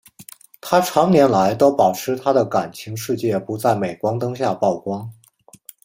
她长年来都保持她的感情世界不在镁光灯下曝光。